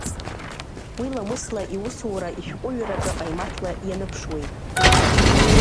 Уи ламысла иусура ишәҟәыҩҩраҿгьы ҟаимаҭла ианыԥшуеит.